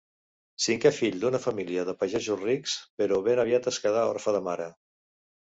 Cinquè fill d'una família de pagesos rics, però ben aviat es quedà orfe de mare.